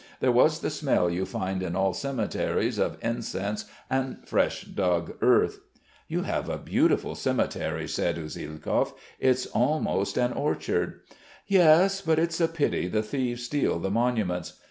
There was the smell you find in all cemeteries of incense and fresh dug earth. "You have a beautiful cemetery," said Usielkov. "It's almost an orchard." "Yes, but it's a pity the thieves steal the monuments.